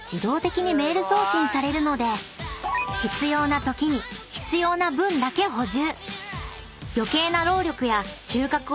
［必要なときに必要な分だけ補充］